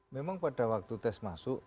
memang pada waktu tes masuk